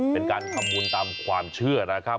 เป็นการทำบุญตามความเชื่อนะครับ